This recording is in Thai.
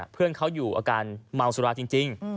เพื่อนเขาอยู่อาการเมาสุราจริง